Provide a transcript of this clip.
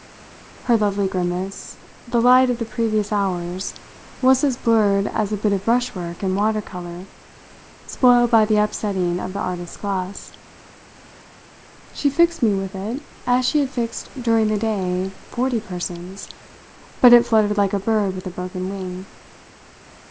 Her lovely grimace, the light of the previous hours, was as blurred as a bit of brushwork in water colour spoiled by the upsetting of the artist's glass. She fixed me with it as she had fixed during the day forty persons, but it fluttered like a bird with a broken wing.